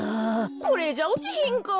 これじゃおちひんかあ。